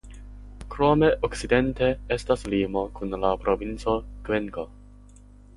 Krome okcidente estas limo kun la provinco Kvenko.